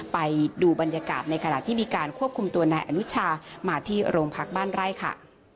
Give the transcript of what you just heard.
ไปดูบรรยากาศในขณะที่มีการควบคุมตัวนายอนุชามาที่โรงพักบ้านไร่ค่ะ